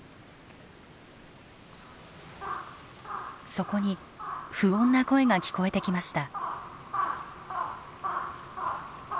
そこに不穏な声が聞こえてきました。